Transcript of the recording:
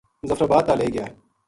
مظفرآباد تا لے گیا